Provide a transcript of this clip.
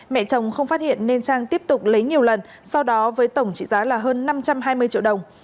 mẹ chồng không phát hiện nên trang tiếp tục lấy nhiều lần sau đó với tổng trị giá là hơn năm trăm hai mươi triệu đồng